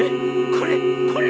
これこれ！？